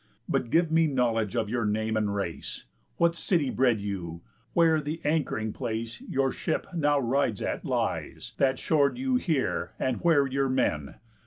But give me knowledge of your name and race. What city bred you? Where the anchoring place Your ship now rides at lies that shor'd you here And where your men?